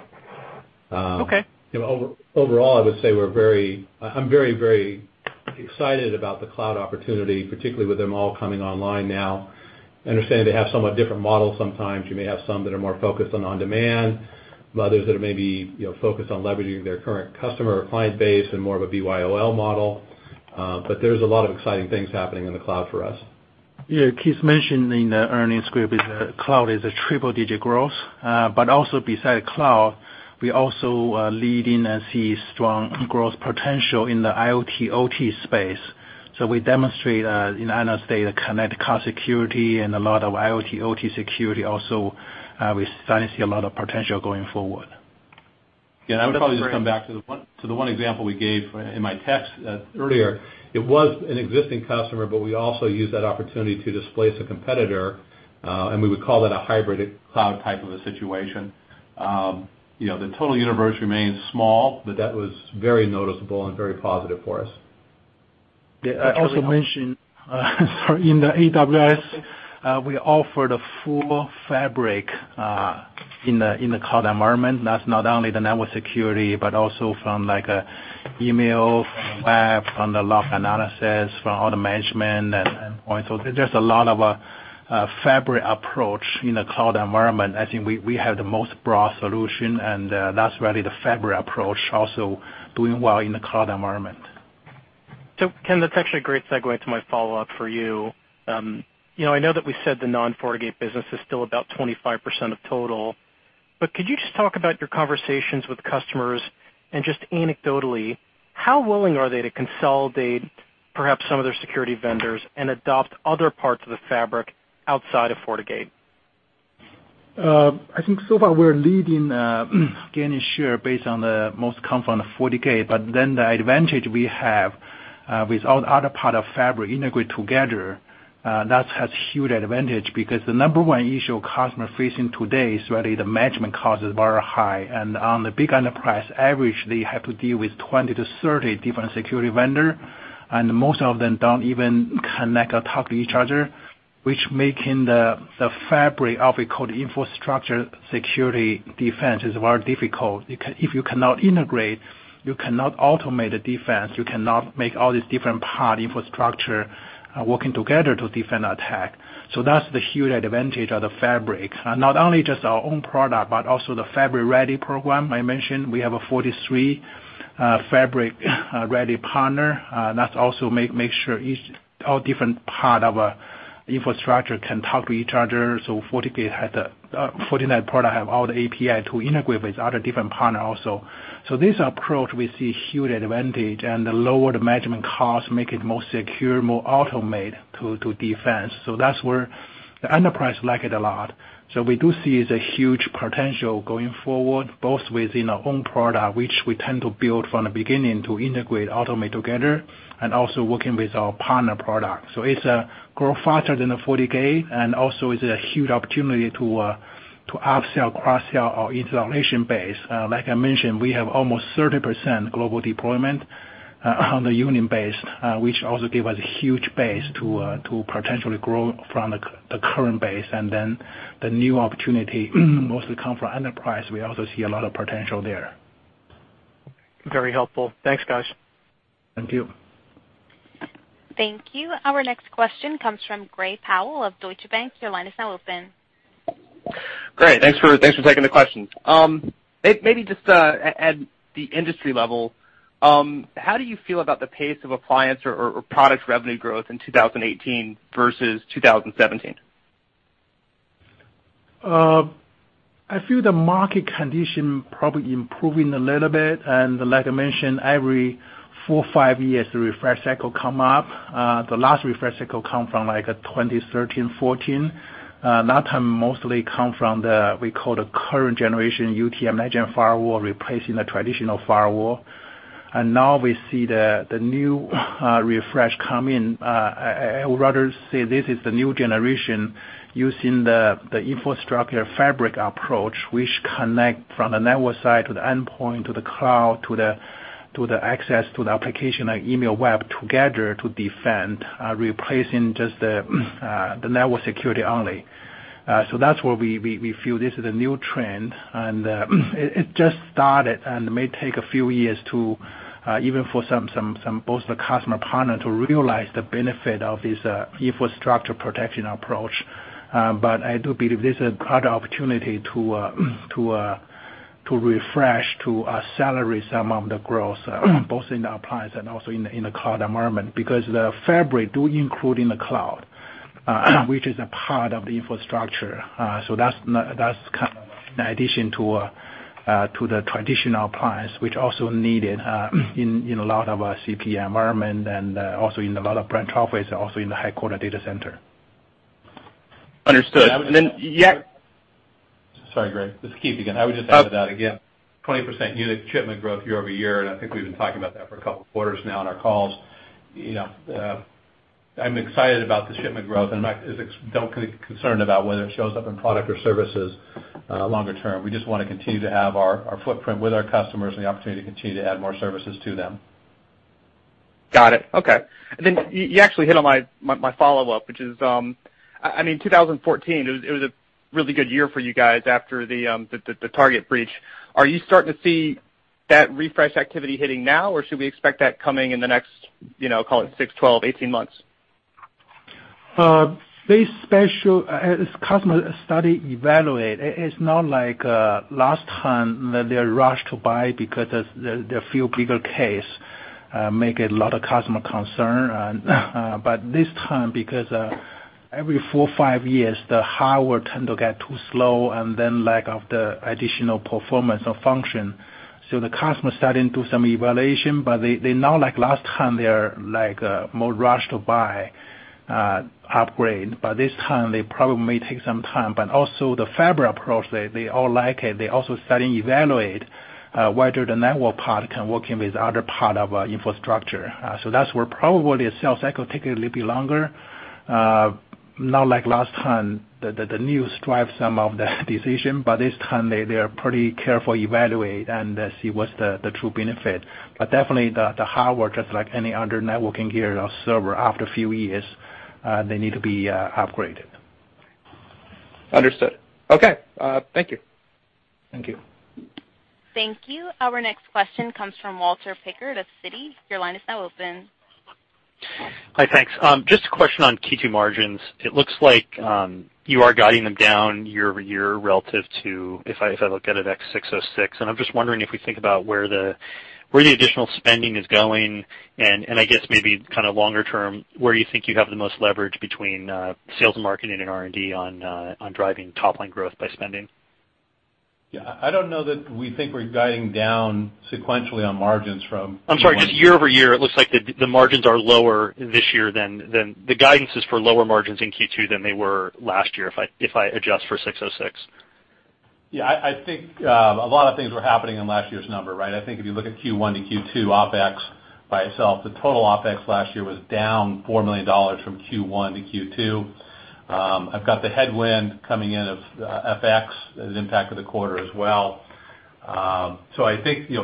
S11: Okay.
S4: Overall, I would say I'm very, very excited about the cloud opportunity, particularly with them all coming online now. I understand they have somewhat different models sometimes. You may have some that are more focused on on-demand, others that are maybe focused on leveraging their current customer or client base and more of a BYOL model. There's a lot of exciting things happening in the cloud for us.
S3: Yeah, Keith mentioned in the earnings group is cloud is a triple-digit growth. Also besides cloud, we also are leading and see strong growth potential in the IoT/OT space. We demonstrate, in Analyst Day, the connect car security and a lot of IoT/OT security also, we starting to see a lot of potential going forward.
S4: Yeah, I would probably just come back to the one example we gave in my text earlier. It was an existing customer, but we also used that opportunity to displace a competitor, and we would call that a hybrid cloud type of a situation. The total universe remains small, but that was very noticeable and very positive for us.
S3: I also mentioned in the AWS, we offer the full fabric in the cloud environment. That's not only the network security, but also from email, from WAF, from the log analysis, from all the management and endpoint. There's a lot of a fabric approach in the cloud environment. I think we have the most broad solution. That's really the fabric approach also doing well in the cloud environment.
S11: Ken, that's actually a great segue into my follow-up for you. I know that we said the non-FortiGate business is still about 25% of total. Could you just talk about your conversations with customers and just anecdotally, how willing are they to consolidate perhaps some of their security vendors and adopt other parts of the fabric outside of FortiGate?
S3: I think so far we're leading gaining share based on the most come from the FortiGate. The advantage we have with all other part of fabric integrate together, that has huge advantage because the number one issue customer facing today is really the management cost is very high. On the big enterprise, average, they have to deal with 20 to 30 different security vendor, and most of them don't even connect or talk to each other, which making the fabric of a core infrastructure security defense is very difficult. If you cannot integrate, you cannot automate a defense. You cannot make all these different part infrastructure working together to defend attack. That's the huge advantage of the fabric. Not only just our own product, but also the Fabric-Ready program. I mentioned we have 43 Fabric-Ready partner. That's also make sure each all different part of a infrastructure can talk to each other. FortiGate had the Fortinet product have all the API to integrate with other different partner also. This approach, we see huge advantage, the lower the management cost make it more secure, more automate to defense. That's where the enterprise like it a lot. We do see the huge potential going forward, both within our own product, which we tend to build from the beginning to integrate, automate together, and also working with our partner product. It's grow faster than the FortiGate, also is a huge opportunity to up-sell, cross-sell our installation base. Like I mentioned, we have almost 30% global deployment on the unit base, which also give us a huge base to potentially grow from the current base. The new opportunity mostly comes from enterprise. We also see a lot of potential there.
S11: Very helpful. Thanks, guys.
S3: Thank you.
S1: Thank you. Our next question comes from Gray Powell of Deutsche Bank. Your line is now open.
S12: Great. Thanks for taking the questions. Maybe just at the industry level, how do you feel about the pace of appliance or product revenue growth in 2018 versus 2017?
S3: I feel the market condition probably improving a little bit. Like I mentioned, every four or five years, the refresh cycle come up. The last refresh cycle come from 2013 and 2014. That time mostly come from the, we call the current generation UTM next-gen firewall, replacing the traditional firewall. Now we see the new refresh come in. I would rather say this is the new generation using the infrastructure Fabric approach, which connect from the network side to the endpoint, to the cloud, to the access to the application, like email, web together to defend, replacing just the network security only. That's where we feel this is a new trend, and it just started and may take a few years to, even for some, both the customer partner to realize the benefit of this infrastructure protection approach. I do believe this is part of opportunity to refresh, to accelerate some of the growth, both in the appliance and also in the cloud environment. Because the Fabric do include in the cloud, which is a part of the infrastructure. That's kind of an addition to the traditional appliance, which also needed in a lot of our campus environment and also in a lot of branch office, also in the headquarter data center.
S12: Understood. Then, yeah.
S4: Sorry, Gray, this is Keith again. I would just add to that again, 20% unit shipment growth year-over-year. I think we've been talking about that for a couple of quarters now on our calls. I'm excited about the shipment growth, and I'm not concerned about whether it shows up in product or services longer term. We just want to continue to have our footprint with our customers and the opportunity to continue to add more services to them.
S12: Got it. Okay. You actually hit on my follow-up, which is, 2014, it was a really good year for you guys after the Target breach. Are you starting to see that refresh activity hitting now, or should we expect that coming in the next, call it 6, 12, 18 months?
S3: This special customer study evaluation. It's not like last time that they rushed to buy because there are few bigger cases, made a lot of customer concern. This time, because every four or five years, the hardware tends to get too slow and then lack of the additional performance or function. The customers are starting to do some evaluation, but they are not, like last time, more rushed to buy upgrade. This time, they probably may take some time. Also the Security Fabric approach, they all like it. They're also starting to evaluate whether the network part can work in with other part of our infrastructure. That's where probably a sales cycle takes a little bit longer. Not like last time that the news drove some of the decision, but this time they are pretty careful to evaluate and see what's the true benefit. Definitely the hardware, just like any other networking gear or server, after a few years, they need to be upgraded.
S12: Understood. Okay. Thank you.
S3: Thank you.
S1: Thank you. Our next question comes from Walter Pritchard of Citi. Your line is now open.
S13: Hi, thanks. Just a question on Q2 margins. It looks like you are guiding them down year-over-year relative to, if I look at it, ex ASC 606. I'm just wondering if we think about where the additional spending is going, and I guess maybe longer term, where you think you have the most leverage between sales and marketing and R&D on driving top line growth by spending.
S4: Yeah. I don't know that we think we're guiding down sequentially on margins from-
S13: I'm sorry, just year-over-year, it looks like the margins are lower this year than the guidance is for lower margins in Q2 than they were last year, if I adjust for ASC 606.
S4: Yeah, a lot of things were happening in last year's number, right? If you look at Q1 to Q2 OpEx by itself, the total OpEx last year was down $4 million from Q1 to Q2. I've got the headwind coming in of FX as impact of the quarter as well.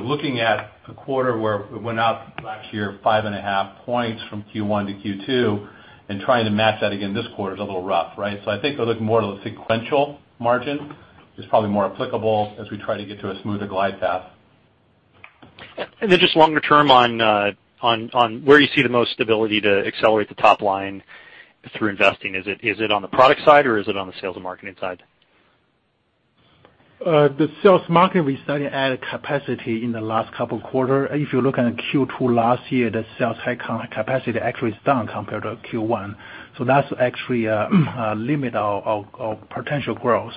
S4: Looking at a quarter where we went up last year 5.5 points from Q1 to Q2 and trying to match that again this quarter is a little rough, right? Looking more to the sequential margin is probably more applicable as we try to get to a smoother glide path.
S13: Just longer term on where you see the most ability to accelerate the top line through investing. Is it on the product side or is it on the sales and marketing side?
S3: The sales marketing, we started to add capacity in the last couple quarter. If you look at Q2 last year, the sales high capacity actually is down compared to Q1. That's actually a limit of potential growth.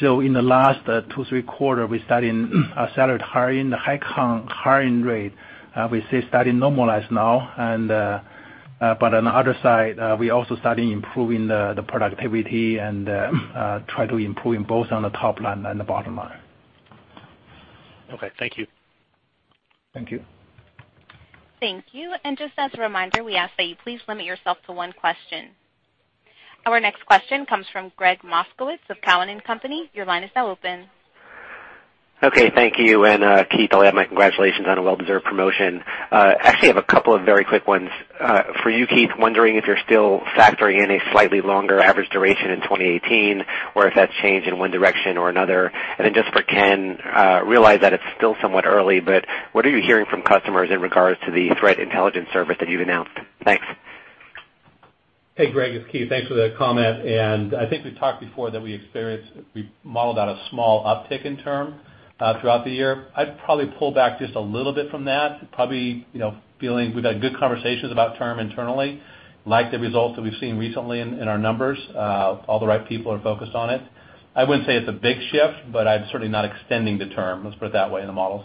S3: In the last two, three quarter, we started hiring the high current hiring rate. We see starting normalize now. On the other side, we also starting improving the productivity and try to improving both on the top line and the bottom line.
S13: Okay. Thank you.
S3: Thank you.
S1: Thank you. Just as a reminder, we ask that you please limit yourself to one question. Our next question comes from Gregg Moskowitz of Cowen and Company. Your line is now open.
S14: Thank you. Keith, I'll add my congratulations on a well-deserved promotion. Actually, I have a couple of very quick ones. For you, Keith, wondering if you're still factoring in a slightly longer average duration in 2018, or if that's changed in one direction or another. Then just for Ken, realize that it's still somewhat early, but what are you hearing from customers in regards to the threat intelligence service that you've announced? Thanks.
S4: Hey, Gregg, it's Keith. Thanks for that comment. I think we've modeled out a small uptick in term throughout the year. I'd probably pull back just a little bit from that. Probably, feeling we've had good conversations about term internally, like the results that we've seen recently in our numbers. All the right people are focused on it. I wouldn't say it's a big shift, but I'm certainly not extending the term, let's put it that way, in the models.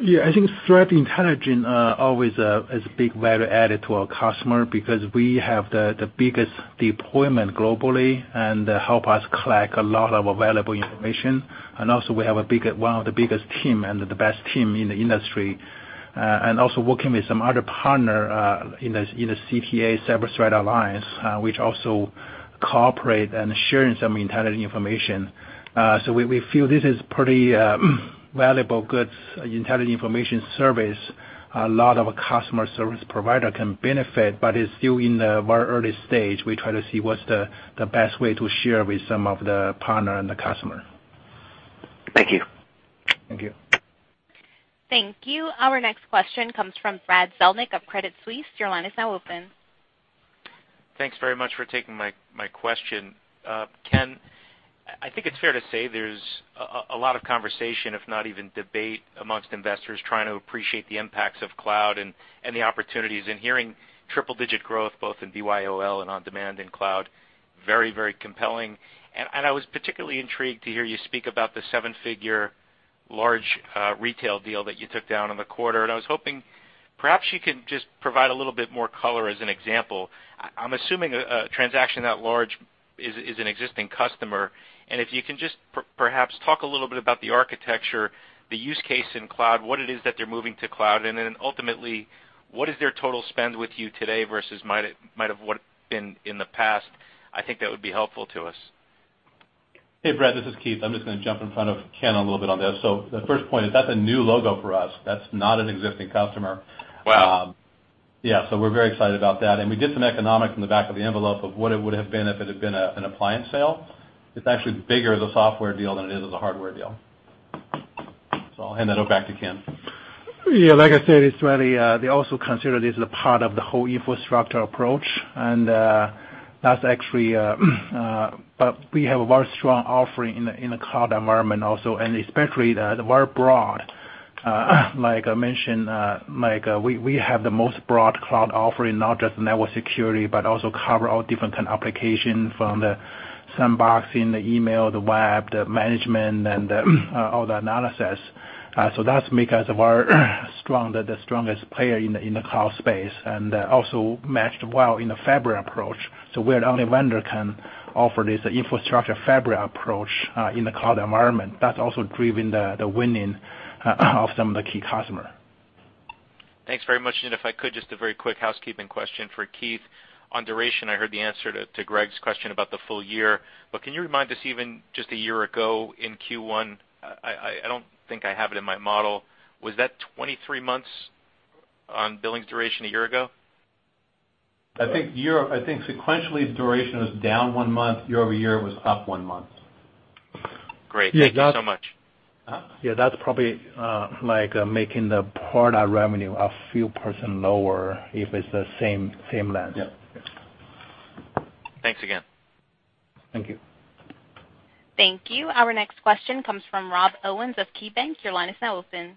S3: I think threat intelligence always is a big value added to our customer because we have the biggest deployment globally and help us collect a lot of valuable information. Also we have one of the biggest team and the best team in the industry. Also working with some other partner in the CTA Cyber Threat Alliance, which also cooperate and sharing some intelligence information. We feel this is pretty valuable, good intelligence information service. A lot of customer service provider can benefit, but it's still in the very early stage. We try to see what's the best way to share with some of the partner and the customer.
S14: Thank you.
S3: Thank you.
S1: Thank you. Our next question comes from Brad Zelnick of Credit Suisse. Your line is now open.
S15: Thanks very much for taking my question. Ken, I think it's fair to say there's a lot of conversation, if not even debate amongst investors trying to appreciate the impacts of cloud and the opportunities, hearing triple digit growth both in BYOL and on-demand and cloud, very, very compelling. I was particularly intrigued to hear you speak about the seven-figure large retail deal that you took down in the quarter. I was hoping perhaps you could just provide a little bit more color as an example. I'm assuming a transaction that large is an existing customer, and if you can just perhaps talk a little bit about the architecture, the use case in cloud, what it is that they're moving to cloud, and then ultimately, what is their total spend with you today versus might have would have been in the past. I think that would be helpful to us.
S4: Hey, Brad, this is Keith. I'm just going to jump in front of Ken a little bit on this. The first point is that's a new logo for us. That's not an existing customer.
S15: Wow.
S4: We're very excited about that. We did some economics on the back of the envelope of what it would have been if it had been an appliance sale. It's actually bigger as a software deal than it is as a hardware deal. I'll hand that over back to Ken.
S3: Like I said, they also consider this a part of the whole infrastructure approach. We have a very strong offering in the cloud environment also, and especially the very broad. Like I mentioned, we have the most broad cloud offering, not just network security, but also cover all different application from the sandboxing, the email, the web, the management, and all the analysis. That makes us the strongest player in the cloud space. Also matched well in the fabric approach. We're the only vendor can offer this infrastructure fabric approach in the cloud environment. That's also driven the winning of some of the key customer.
S15: Thanks very much. If I could, just a very quick housekeeping question for Keith. On duration, I heard the answer to Gregg's question about the full year. Can you remind us even just a year ago in Q1, I don't think I have it in my model, was that 23 months on billings duration a year ago?
S4: I think sequentially, the duration was down one month, year-over-year it was up one month.
S15: Great. Thank you so much.
S3: Yeah, that's probably making the product revenue a few percent lower if it's the same length.
S4: Yeah.
S15: Thanks again.
S3: Thank you.
S1: Thank you. Our next question comes from Rob Owens of KeyBank. Your line is now open.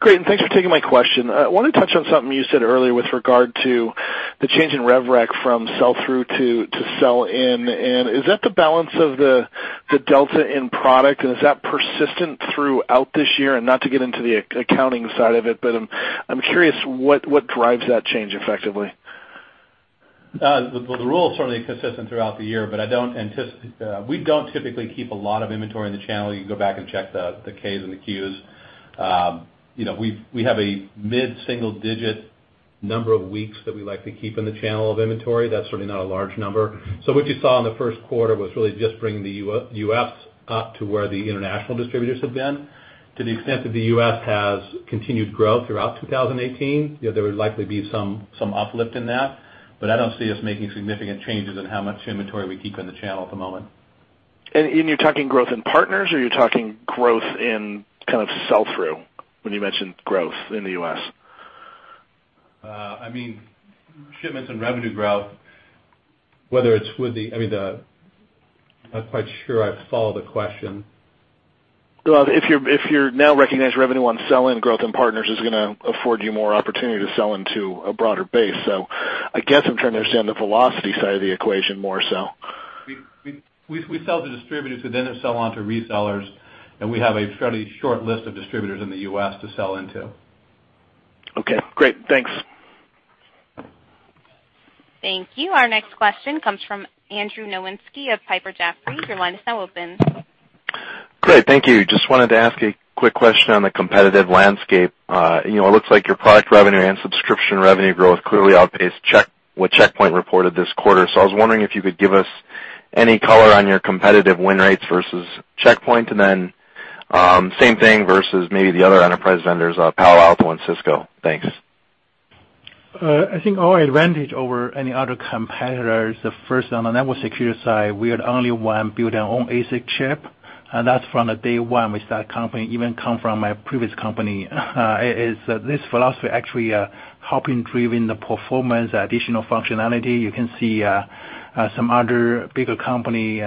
S16: Great, thanks for taking my question. I want to touch on something you said earlier with regard to the change in rev rec from sell through to sell in. Is that the balance of the delta in product, and is that persistent throughout this year? Not to get into the accounting side of it, but I'm curious what drives that change effectively.
S4: The rule is certainly consistent throughout the year, but we don't typically keep a lot of inventory in the channel. You can go back and check the Ks and the Qs. We have a mid-single digit number of weeks that we like to keep in the channel of inventory. That's certainly not a large number. What you saw in the first quarter was really just bringing the U.S. up to where the international distributors have been. To the extent that the U.S. has continued growth throughout 2018, there would likely be some uplift in that. I don't see us making significant changes in how much inventory we keep in the channel at the moment.
S16: You're talking growth in partners, or you're talking growth in sell through when you mentioned growth in the U.S.?
S4: I mean, shipments and revenue growth, I'm not quite sure I follow the question.
S16: Well, if you now recognize revenue on sell-in growth and partners is going to afford you more opportunity to sell into a broader base. I guess I'm trying to understand the velocity side of the equation more so.
S4: We sell to distributors who then sell on to resellers, and we have a fairly short list of distributors in the U.S. to sell into.
S16: Okay, great. Thanks.
S1: Thank you. Our next question comes from Andrew Nowinski of Piper Jaffray. Your line is now open.
S17: Great. Thank you. Just wanted to ask a quick question on the competitive landscape. It looks like your product revenue and subscription revenue growth clearly outpaced what Check Point reported this quarter. I was wondering if you could give us any color on your competitive win rates versus Check Point, and then same thing versus maybe the other enterprise vendors, Palo Alto and Cisco. Thanks.
S3: I think our advantage over any other competitor is the first on the network security side, we are the only one build our own ASIC chip. That's from the day one we start company, even come from my previous company, is this philosophy actually helping driven the performance, additional functionality. You can see some other bigger company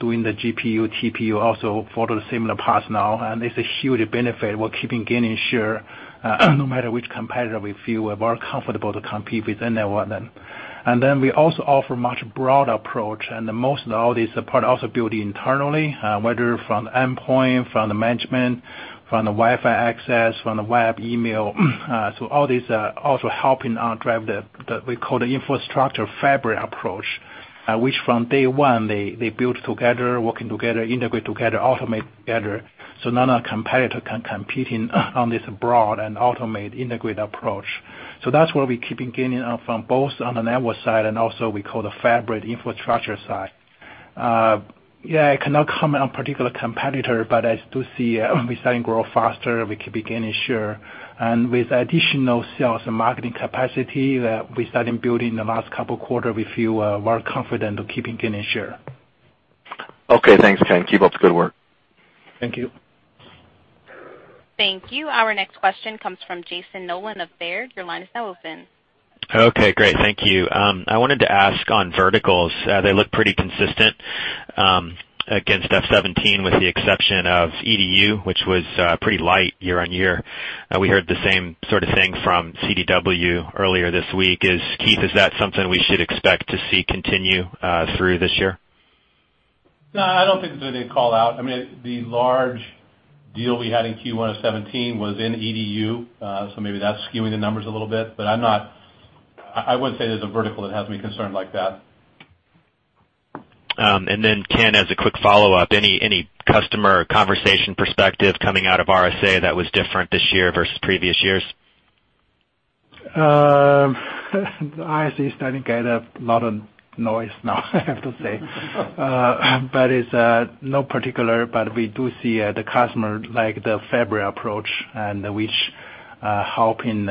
S3: doing the GPU, TPU also follow the similar path now. It's a huge benefit. We're keeping gaining share no matter which competitor we feel we're more comfortable to compete with the network then. We also offer much broader approach. The most of all this support also built internally, whether from the endpoint, from the management, from the Wi-Fi access, from the web email. All these are also helping drive the, we call the infrastructure fabric approach. From day one they build together, working together, integrate together, automate together, so none of competitor can compete on this broad and automate integrated approach. That's where we keeping gaining from both on the network side and also we call the fabric infrastructure side. Yeah, I cannot comment on particular competitor, but I do see we're starting to grow faster. We could be gaining share. With additional sales and marketing capacity that we started building in the last couple quarter, we feel more confident of keeping gaining share.
S17: Okay, thanks Ken. Keep up the good work.
S3: Thank you.
S1: Thank you. Our next question comes from Jonathan Ho of Baird. Your line is now open.
S18: Okay, great. Thank you. I wanted to ask on verticals, they look pretty consistent, against FY 2017 with the exception of EDU, which was pretty light year-over-year. We heard the same sort of thing from CDW earlier this week. Keith, is that something we should expect to see continue through this year?
S4: I don't think there's anything to call out. I mean, the large deal we had in Q1 of 2017 was in EDU, so maybe that's skewing the numbers a little bit. I wouldn't say there's a vertical that has me concerned like that.
S18: Ken, as a quick follow-up, any customer conversation perspective coming out of RSA that was different this year versus previous years?
S3: RSA is starting to get a lot of noise now, I have to say. It's not particular, but we do see the customer like the fabric approach, and which helping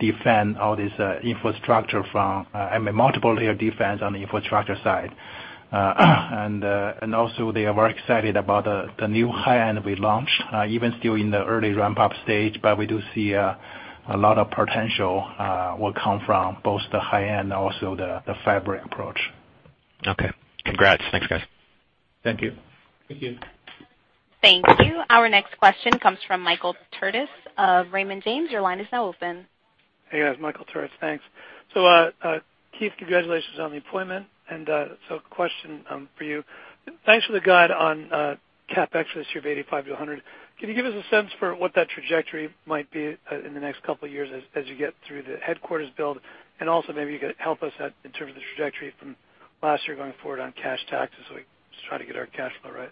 S3: defend all this infrastructure from, I mean, multiple layer defense on the infrastructure side. Also they are very excited about the new high-end we launched, even still in the early ramp-up stage. We do see a lot of potential will come from both the high-end and also the fabric approach.
S18: Okay. Congrats. Thanks, guys.
S3: Thank you.
S4: Thank you.
S1: Thank you. Our next question comes from Michael Turits of Raymond James. Your line is now open.
S19: Hey, guys. Michael Turits, thanks. Keith, congratulations on the appointment. Question for you. Thanks for the guide on CapEx this year of $85 million-$100 million. Can you give us a sense for what that trajectory might be in the next couple of years as you get through the headquarters build? Also maybe you could help us in terms of the trajectory from last year going forward on cash taxes, so we can just try to get our cash flow right.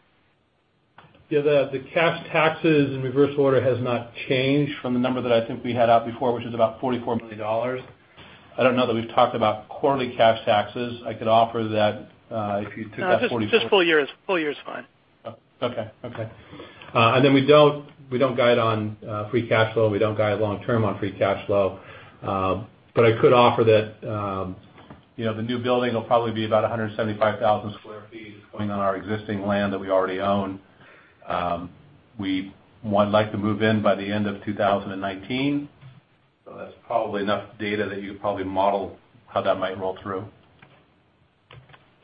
S4: Yeah, the cash taxes in reverse order has not changed from the number that I think we had out before, which is about $44 million. I don't know that we've talked about quarterly cash taxes. I could offer that if you took that 40-
S19: No, just full year is fine.
S4: Okay. Then we don't guide on free cash flow. We don't guide long term on free cash flow. I could offer that the new building will probably be about 175,000 sq ft. It's going on our existing land that we already own. We would like to move in by the end of 2019, that's probably enough data that you could probably model how that might roll through.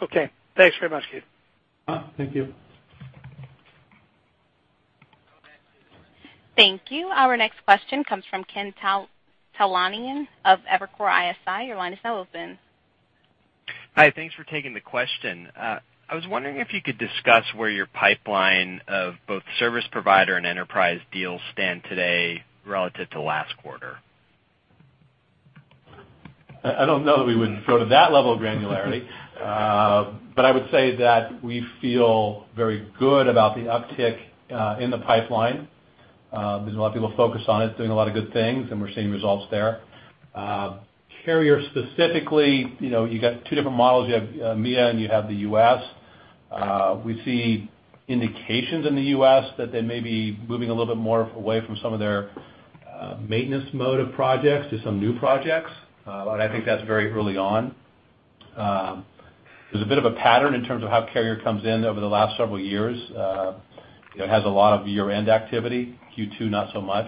S19: Okay. Thanks very much, Keith.
S4: Thank you.
S1: Thank you. Our next question comes from Ken Talanian of Evercore ISI. Your line is now open.
S20: Hi. Thanks for taking the question. I was wondering if you could discuss where your pipeline of both service provider and enterprise deals stand today relative to last quarter.
S4: I don't know that we would go to that level of granularity. I would say that we feel very good about the uptick in the pipeline. There's a lot of people focused on it, doing a lot of good things, and we're seeing results there. Carrier specifically, you got two different models. You have EMEA and you have the U.S. We see indications in the U.S. that they may be moving a little bit more away from some of their maintenance mode of projects to some new projects. I think that's very early on. There's a bit of a pattern in terms of how carrier comes in over the last several years. It has a lot of year-end activity. Q2, not so much.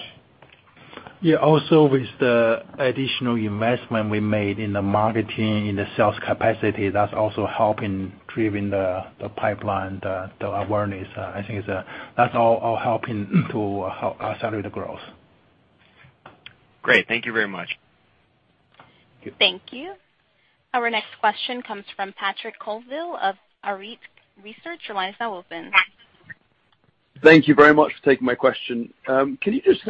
S3: Yeah, also with the additional investment we made in the marketing, in the sales capacity, that's also helping driving the pipeline, the awareness. I think that's all helping to accelerate the growth.
S20: Great. Thank you very much.
S1: Thank you. Our next question comes from Patrick Colville of Arete Research. Your line is now open.
S21: Thank you very much for taking my question. Can you just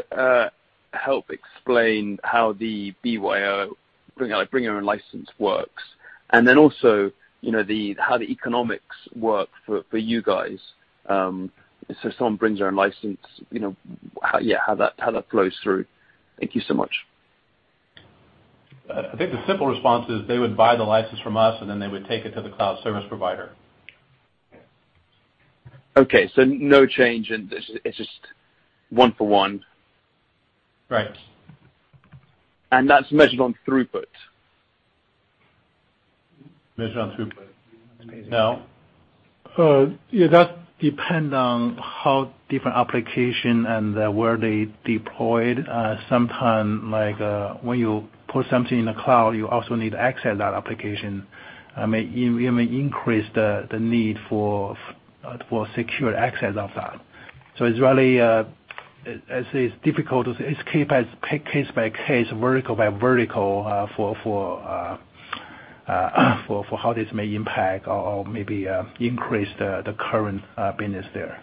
S21: help explain how the BYO, bring your own license works? Also, how the economics work for you guys. Someone brings their own license, how that flows through. Thank you so much.
S4: I think the simple response is they would buy the license from us, and then they would take it to the cloud service provider.
S21: Okay, no change and it's just one for one.
S4: Right.
S21: That's measured on throughput.
S4: Measured on throughput.
S3: Yeah, that depend on how different application and where they deployed. Sometime, like when you put something in the cloud, you also need to access that application. It may increase the need for secure access of that. It's really difficult. It's case by case, vertical by vertical, for how this may impact or maybe increase the current business there.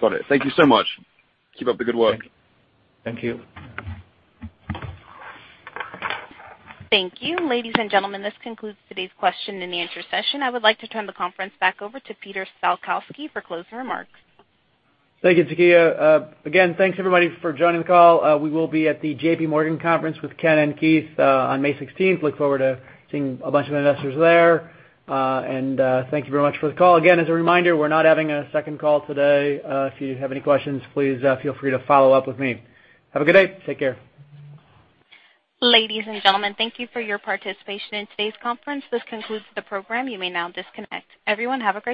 S21: Got it. Thank you so much. Keep up the good work.
S3: Thank you.
S1: Thank you. Ladies and gentlemen, this concludes today's question and answer session. I would like to turn the conference back over to Peter Salkowski for closing remarks.
S2: Thank you, Takia. Again, thanks everybody for joining the call. We will be at the JPMorgan conference with Ken and Keith on May 16th. Look forward to seeing a bunch of investors there. Thank you very much for the call. Again, as a reminder, we're not having a second call today. If you have any questions, please feel free to follow up with me. Have a good day. Take care.
S1: Ladies and gentlemen, thank you for your participation in today's conference. This concludes the program. You may now disconnect. Everyone, have a great day.